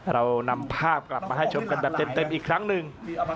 เรานำภาพกลับมาให้ชมกันแบบเต็มอีกครั้งหนึ่ง